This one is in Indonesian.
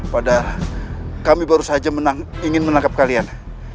padahal kami baru saja ingin menangkap kalian